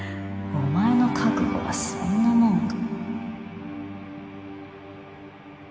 お前の覚悟はそんなもんか？